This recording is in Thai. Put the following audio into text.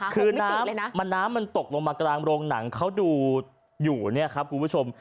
คือน้ำมันน้ำมันตกลงมากลางโรงหนังเขาดูอยู่เนี่ยครับคุณผู้ชม